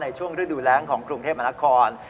ในช่วงฤดูแล้งของกรุงเทพมะนาคอล